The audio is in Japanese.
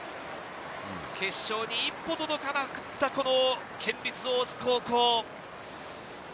決勝に一歩届かなかった、この県立大津高校。